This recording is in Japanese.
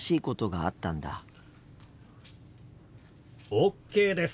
ＯＫです。